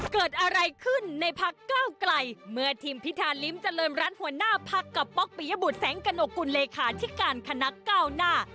เกิดอะไรขึ้นในพักเก้าไกลเมื่อทีมพิธาลิ้มเจริญรัฐหัวหน้าพักกับป๊อกปิยบุตรแสงกระหนกกุลเลขาธิการคณะก้าวหน้า